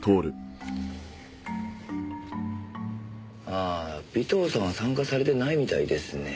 あー尾藤さんは参加されてないみたいですね。